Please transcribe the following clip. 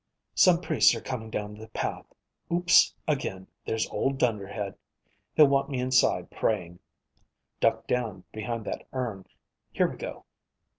Some priests are coming down the path. Ooops again, there's old Dunderhead. He'll want me inside praying. Duck down behind that urn. Here we go.